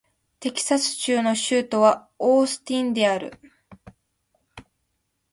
テキサス州の州都はオースティンである